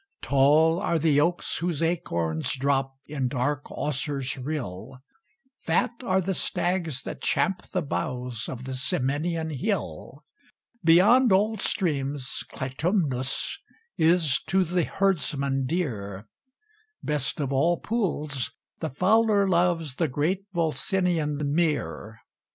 Tall are the oaks whose acorns Drop in dark Auser's rill; Fat are the stags that champ the boughs Of the Ciminian hill; Beyond all streams Clitumnus Is to the herdsman dear; Best of all pools the fowler loves The great Volsinian mere.